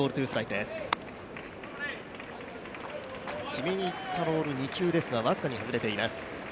決めにいったボール、２球ですが、僅かに外れています。